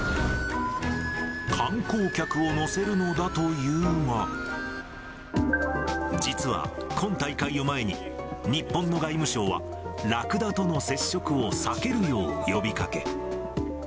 観光客を乗せるのだと言うのだが、実は今大会を前に、日本の外務省は、ラクダとの接触を避けるよう呼びかけ。